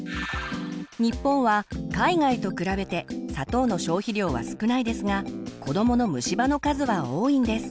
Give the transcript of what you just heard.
日本は海外と比べて砂糖の消費量は少ないですが子どもの虫歯の数は多いんです。